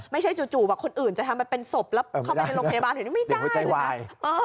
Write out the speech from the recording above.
จู่คนอื่นจะทำไปเป็นศพแล้วเข้าไปในโรงพยาบาลเห็นไม่ได้